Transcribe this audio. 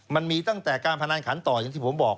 มันมีตั้งแต่การพนันขันต่ออย่างที่ผมบอก